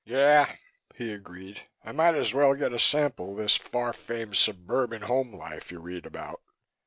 "Yeah," he agreed. "I might as well get a sample of this far famed suburban home life you read about."